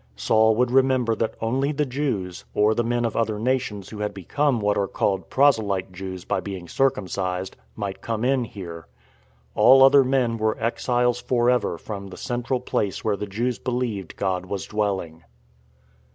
Saul would re member that only the Jews (or the men of other na tions who had become what are called " proselyte Jews " by being circumcised) might come in here. All other men were exiles for ever from the central place where the Jews believed God was dwelling.